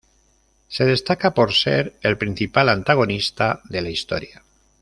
Se destaca por ser el principal antagonista de la historia.